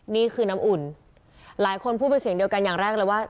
นี่คือน้ำอุ่นหลายคนพูดเป็นเสียงเดียวกันอย่างแรกเลยว่า